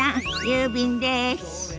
郵便です。